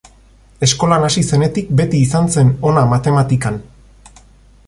Eskolan hasi zenetik beti izan zen ona matematikan.